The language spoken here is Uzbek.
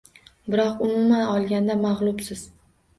Biroq umuman olganda mag‘lubsiz.